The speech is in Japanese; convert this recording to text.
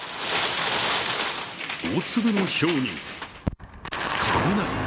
大粒のひょうに雷。